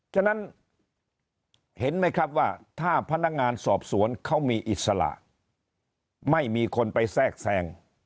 ฉะนั้นเห็นไหมครับว่าถ้าพนักงานสอบสวนเขามีอิสระไม่มีคนไปแทรกแทรง